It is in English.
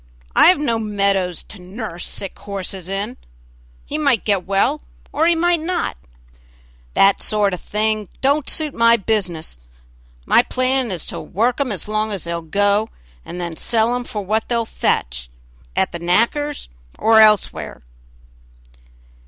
"I have no meadows to nurse sick horses in he might get well or he might not; that sort of thing don't suit my business; my plan is to work 'em as long as they'll go, and then sell 'em for what they'll fetch, at the knacker's or elsewhere."